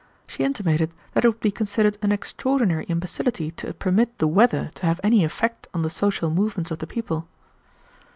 She intimated that it would be considered an extraordinary imbecility to permit the weather to have any effect on the social movements of the people.